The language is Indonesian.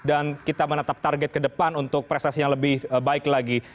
dan kita menatap target ke depan untuk prestasi yang lebih baik lagi